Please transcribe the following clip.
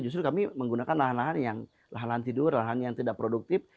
justru kami menggunakan lahan lahan yang tidak produktif